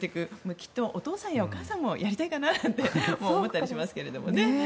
きっと、お父さんやお母さんもやりたいかななんて思ったりしますけれどもね。